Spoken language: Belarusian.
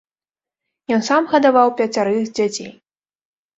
Ён сам гадаваў пяцярых дзяцей.